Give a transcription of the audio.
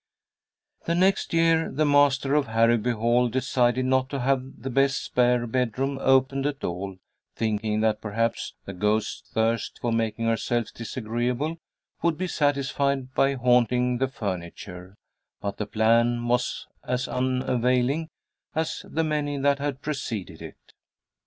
The next year the master of Harrowby Hall decided not to have the best spare bedroom opened at all, thinking that perhaps the ghost's thirst for making herself disagreeable would be satisfied by haunting the furniture, but the plan was as unavailing as the many that had preceded it.